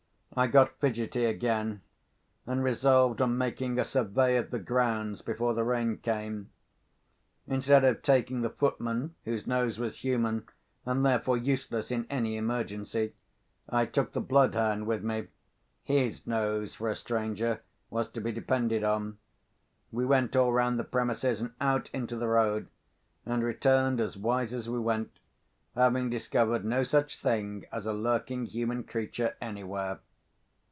I got fidgety again, and resolved on making a survey of the grounds before the rain came. Instead of taking the footman, whose nose was human, and therefore useless in any emergency, I took the bloodhound with me. His nose for a stranger was to be depended on. We went all round the premises, and out into the road—and returned as wise as we went, having discovered no such thing as a lurking human creature anywhere.